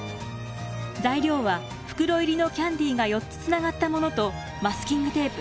材料は袋入りのキャンディーが４つつながったものとマスキングテープ。